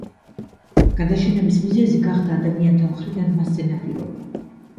გადაშენების მიზეზი გახდა ადამიანთა მხრიდან მასზე ნადირობა.